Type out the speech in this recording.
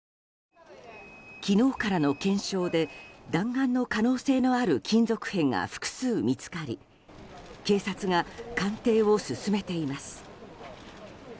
昨日からの検証で弾丸の可能性のある金属片が複数見つかり警察が鑑定を進めています。